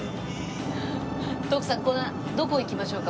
徳さんどこ行きましょうか？